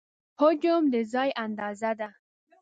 حجم د ځای اندازه ده.